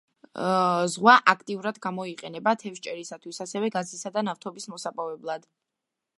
ზღვა აქტიურად გამოიყენება თევზჭერისთვის, ასევე გაზისა და ნავთობის მოსაპოვებლად.